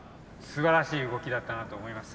すばらしい動きだったなと思います。